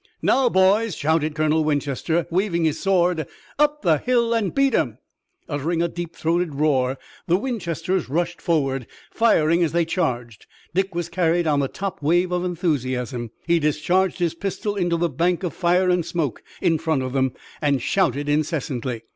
"Now, boys," shouted Colonel Winchester, waving his sword, "up the hill and beat 'em!" Uttering a deep throated roar the Winchesters rushed forward, firing as they charged. Dick was carried on the top wave of enthusiasm. He discharged his pistol into the bank of fire and smoke in front of them and shouted incessantly.